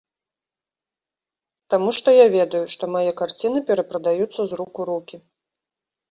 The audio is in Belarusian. Таму што я ведаю, што мае карціны перапрадаюцца з рук у рукі!